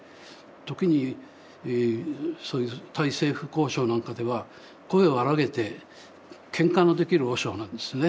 時にそういう対政府交渉なんかでは声を荒げてけんかのできる和尚なんですね。